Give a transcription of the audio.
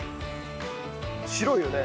白いよね？